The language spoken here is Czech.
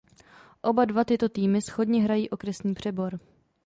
Oba dva tyto týmy shodně hrají Okresní přebor.